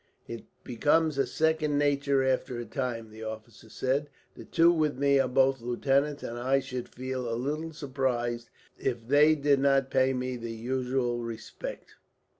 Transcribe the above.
"It becomes a second nature after a time," the officer said. "The two with me are both lieutenants, and I should feel a little surprised if they did not pay me the usual respect."